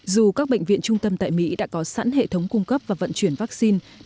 dù các bệnh viện trung tâm tại mỹ đã có sẵn hệ thống cung cấp và vận chuyển vaccine